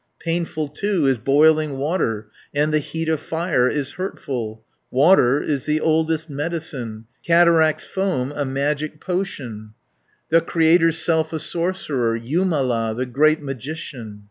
Painful, too, is boiling water, And the heat of fire is hurtful, Water is the oldest medicine, Cataract's foam a magic potion; 200 The Creator's self a sorcerer, Jumala the Great Magician.